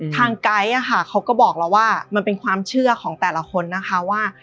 ไก๊เขาก็บอกแล้วว่ามันเป็นความเชื่อของแต่ละคนนะคะว่า